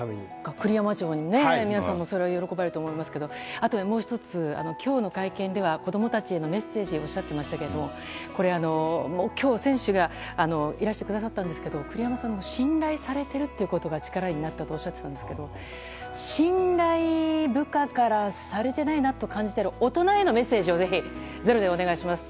栗山町の皆さんも喜ばれると思いますけどあともう１つ、今日の会見では子供へのメッセージをおっしゃってましたが今日、選手がいらしてくださったんですけど栗山さんが信頼されていることが力になるとおっしゃっていましたが信頼、部下からされてないなと感じている大人へのメッセージをぜひ「ｚｅｒｏ」でお願いします。